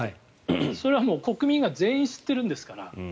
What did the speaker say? それはもう国民が全員知っているんですから。